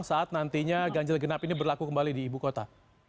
saat nantinya ganjil genap ini berlaku kembali di ibu kota